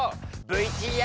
ＶＴＲ。